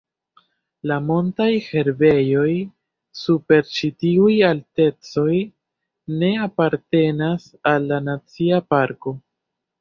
La montaj herbejoj super ĉi tiuj altecoj ne apartenas al la nacia parko.